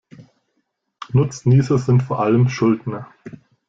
Nutznießer sind vor allem Schuldner.